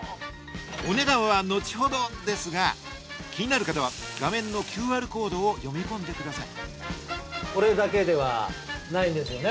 お値段は後ほどですが気になる方は画面のＱＲコードを読み込んでくださいこれだけではないんですよね？